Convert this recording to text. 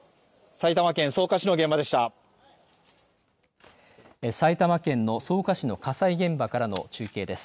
埼玉県の草加市の火災現場からの中継です。